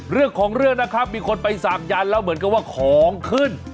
เรื่องของเรื่องนะครับมีคนไปสักยันแล้วเหมือนกับว่าของขึ้น